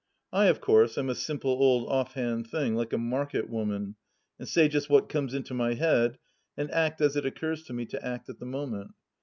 I, of course, am a simple old off hand thing, like a market woman, and say just what comes into my head, and act as it occurs to me to act at the moment.